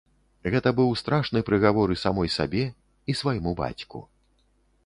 Гэта быў страшны прыгавор і самой сабе, і свайму бацьку.